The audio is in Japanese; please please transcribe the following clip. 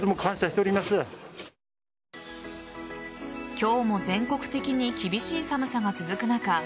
今日も全国的に厳しい寒さが続く中